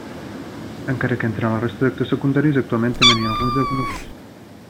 Encara que entre la resta d'actors secundaris actualment també n'hi ha alguns de coneguts.